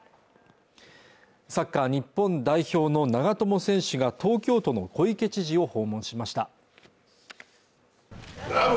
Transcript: サッカー日本代表の長友選手が東京都の小池知事を訪問しました